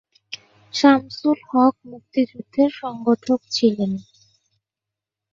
শামসুল হক মুক্তিযুদ্ধের সংগঠক ছিলেন।